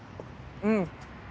うん。